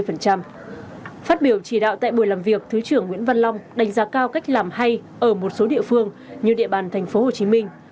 phát biểu chỉ đạo tại buổi làm việc thứ trưởng nguyễn văn long đánh giá cao cách làm hay ở một số địa phương như địa bàn thành phố hồ chí minh